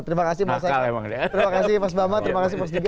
terima kasih pak sdiki